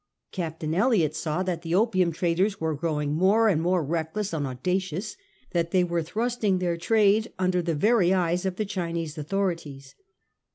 Cap tain Elliott saw that the opium traders were growing more and more reckless and audacious ; that they were thrusting their trade under the very eyes of the Chinese authorities.